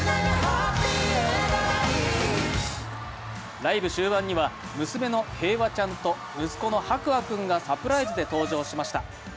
ライブ終盤には娘の平和ちゃんと息子の博愛君がサプライズで登場しました。